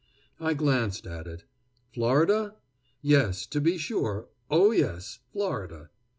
I glanced at it. Florida? Yes, to be sure; oh, yes, Florida.